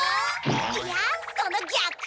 いやその逆。